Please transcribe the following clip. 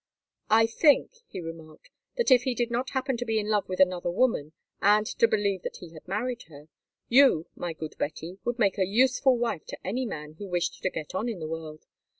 "I think," he remarked, "that if he did not happen to be in love with another woman and to believe that he had married her, you, my good Betty, would make a useful wife to any man who wished to get on in the world.